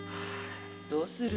どうする？